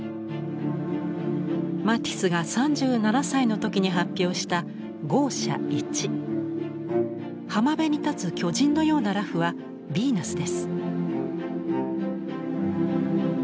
マティスが３７歳の時に発表した浜辺に立つ巨人のような裸婦はヴィーナスです。